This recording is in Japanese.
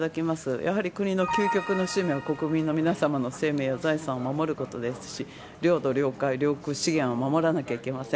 やはり国の究極の使命は、国民の皆様の生命や財産を守ることですし、領土、領海、領空、資源を守らなきゃいけません。